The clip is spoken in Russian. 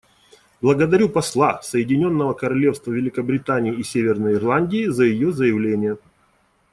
Благодарю посла Соединенного Королевства Великобритании и Северной Ирландии за ее заявление.